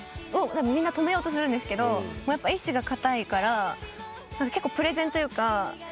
みんな止めようとするんですが意思が固いから結構プレゼンというか。